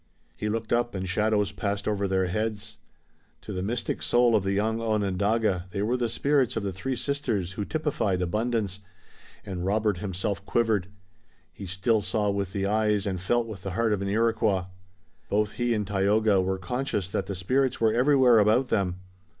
He looked up and shadows passed over their heads. To the mystic soul of the young Onondaga they were the spirits of the three sisters who typified abundance, and Robert himself quivered. He still saw with the eyes and felt with the heart of an Iroquois. Both he and Tayoga were conscious that the spirits were everywhere about them.